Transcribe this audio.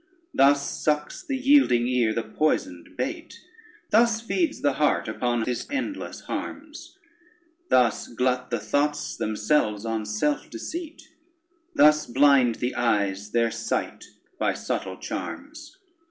Thus sucks the yielding ear the poisoned bait, Thus feeds the heart upon his endless harms, Thus glut the thoughts themselves on self deceit, Thus blind the eyes their sight by subtle charms.